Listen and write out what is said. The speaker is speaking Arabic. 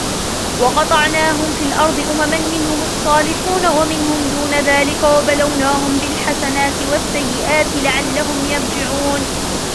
وقطعناهم في الأرض أمما منهم الصالحون ومنهم دون ذلك وبلوناهم بالحسنات والسيئات لعلهم يرجعون